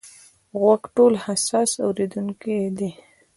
غوږ ټولو حساس اورېدونکی دی.